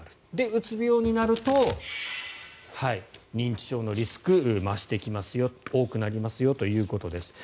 うつ病になると認知症のリスクが増してきますよ多くなりますよということです。